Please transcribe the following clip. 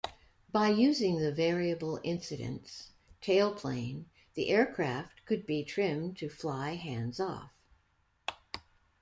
By using the variable incidence tailplane, the aircraft could be trimmed to fly hands-off.